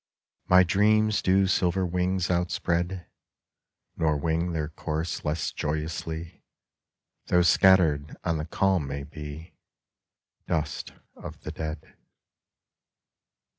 My dreams do silver wings outspread, Nor wing their course less joyously Though scattered on the calm may be Dust of the dead.